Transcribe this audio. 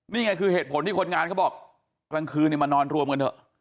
นี่ไงคือเหตุผลที่คนงานเขาบอกกลางคืนมานอนรวมกันเถอะ